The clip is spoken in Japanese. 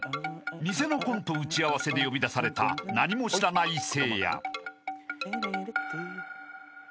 ［偽のコント打ち合わせで呼び出された何も知らないせいや］